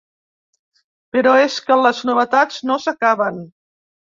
Però és que les novetats no s’acaben.